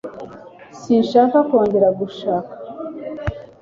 sinshaka kongera gushaka